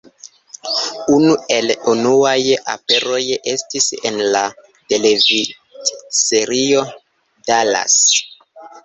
Unu el unuaj aperoj estis en la televidserio Dallas.